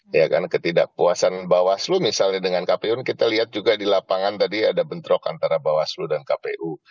karena ketidakpuasan bawaslu misalnya dengan kpu kita lihat juga di lapangan tadi ada bentrok antara bawaslu dan kpu